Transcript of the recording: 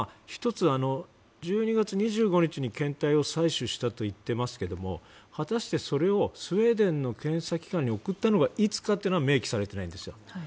１つ、１２月２５日に検体を採取したといってますけども果たしてそれをスウェーデンの検査機関に送ったのが、いつかは明記されていないんですよ。